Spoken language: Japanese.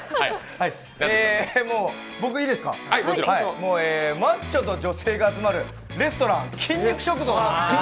僕いいですか、マッチョと女性が集まるレストラン、筋肉食堂。